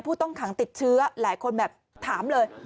ผู้ต้องขังติดเชื้อหลายคนแบบถามเลย